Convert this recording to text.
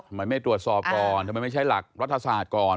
ไม่ตรวจสอบก่อนทำไมไม่ใช้หลักรัฐศาสตร์ก่อน